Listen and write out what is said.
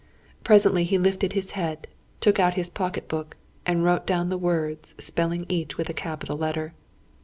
Presently he lifted his head, took out his pocket book, and wrote down the words, spelling each with a capital letter.